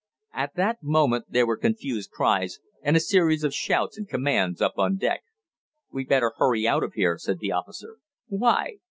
At that moment there were confused cries, and a series of shouts and commands up on deck. "We'd better hurry out of here," said the officer. "Why?"